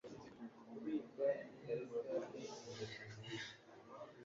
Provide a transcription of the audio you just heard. Kubika ikarita ni ingeso nziza.